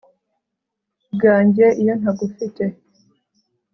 bwanjye.iyo ntagufite